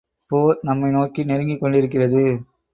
போர் நம்மை நோக்கி நெருங்கிக் கொண்டிருக்கிறது.